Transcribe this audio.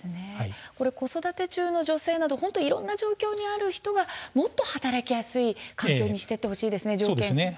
子育て中の女性など本当にいろんな状況にある人がもっと働きやすい環境にしていってほしいですね。